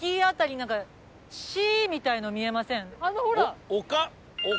なんか「し」みたいの見えません？